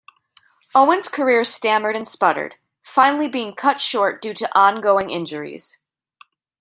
Owen's career stammered and sputtered, finally being cut short due to ongoing injuries.